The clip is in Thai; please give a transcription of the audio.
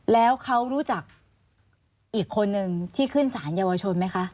แล้วเขารู้จักอีกคนนึงที่ขึ้นสารเยาวชนไหมคะ